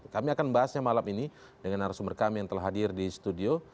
kami akan membahasnya malam ini dengan arah sumber kami yang telah hadir di studio